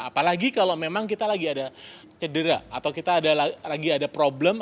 apalagi kalau memang kita lagi ada cedera atau kita lagi ada problem